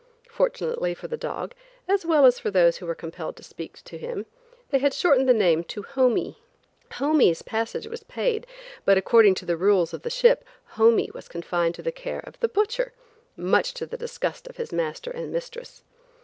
Fortunately for the dog, as well as for those who were compelled to speak to him, they had shortened the name into "Homie." "Homie's" passage was paid, but according to the rules of the ship, "Homie" was confined to the care of the butcher, much to the disgust of his master and mistress.